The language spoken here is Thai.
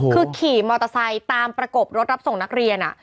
คือขี่มอเตอร์ไซค์ตามประกบรถรับส่งนักเรียน